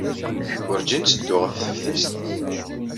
Wurǧin ttedduɣ ɣer teftist.